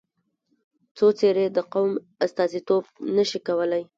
څو څېرې د قوم استازیتوب نه شي کولای.